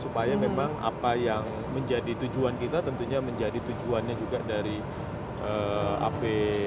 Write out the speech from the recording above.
supaya memang apa yang menjadi tujuan kita tentunya menjadi tujuannya juga dari apd